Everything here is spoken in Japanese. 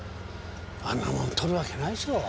あんなもん盗るわけないでしょう。